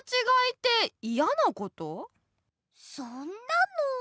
そんなの。